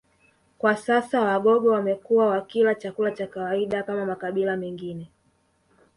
Kwa sasa Wagogo wamekuwa wakila chakula cha kawaida kama makabila mengine